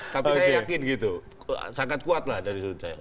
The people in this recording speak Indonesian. tapi saya yakin gitu sangat kuatlah dari sudut saya